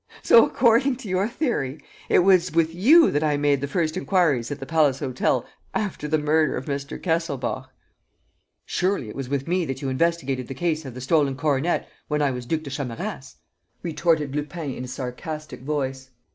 So, according to your theory, it was with you that I made the first enquiries at the Palace Hotel after the murder of Mr. Kesselbach? ..." "Surely it was with me that you investigated the case of the stolen coronet when I was Duc de Chamerace," retorted Lupin, in a sarcastic voice.